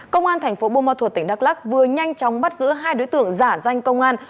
công an thành phố bô ma thuật tỉnh đắk lắc vừa nhanh chóng bắt giữ hai đối tượng giả danh công an